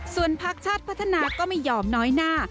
ส่วนพักชาติพัฒนาก็ไม่ยอมน้อยหน้า